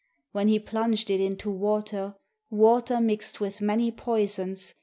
When he plunged it into water. Water mixed with many poisons.